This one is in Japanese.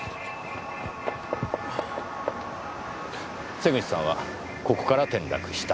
瀬口さんはここから転落した。